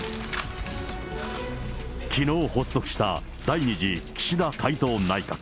きのう発足した第２次岸田改造内閣。